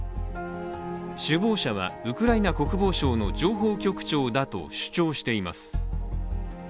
首謀者はウクライナ国防省の情報局長だと主張しています。